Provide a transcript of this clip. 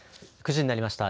９時になりました。